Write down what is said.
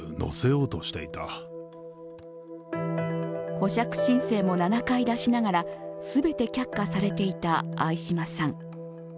保釈申請も７回出しながら、全て却下されていた相嶋さん。